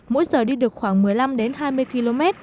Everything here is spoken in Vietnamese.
mỗi giờ đi được khoảng một mươi năm đến hai mươi km